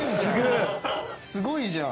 すごいじゃん！